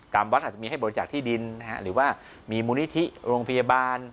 วัดอาจจะมีให้บริจาคที่ดินหรือว่ามีมูลนิธิโรงพยาบาล